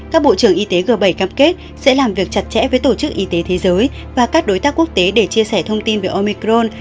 các bộ trưởng y tế g bảy cam kết sẽ làm việc chặt chẽ với tổ chức y tế thế giới và các đối tác quốc tế để chia sẻ thông tin về omicron